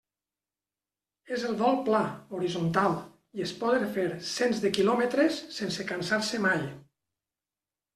És el vol pla, horitzontal, i es poden fer cents de quilòmetres sense cansar-se mai.